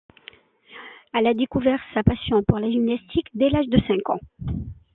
Elle a découvert sa passion pour la gymnastique dès l’âge de cinq ans.